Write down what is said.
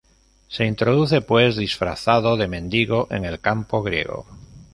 Se introduce pues, disfrazado de mendigo, en el campo griego.